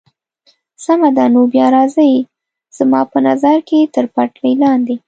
سمه ده، نو بیا راځئ، زما په نظر که تر پټلۍ لاندې.